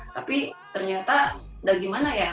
tapi ternyata udah gimana ya